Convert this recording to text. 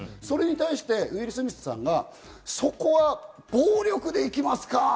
それに対してウィル・スミスさんがそこは暴力でいきますか？